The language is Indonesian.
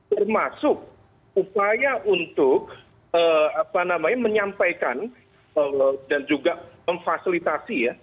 termasuk upaya untuk menyampaikan dan juga memfasilitasi ya